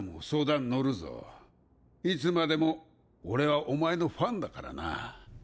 いつまでも俺はお前のファンだからな。